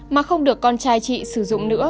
mà không được con trai chị sử dụng nữa